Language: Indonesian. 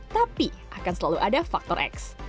tapi akan selalu ada faktor x